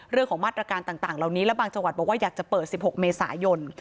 เรื่องของมาตรการต่างเหล่านี้และบางจังหวัดบอกว่าอยากจะเปิด๑๖เมษายน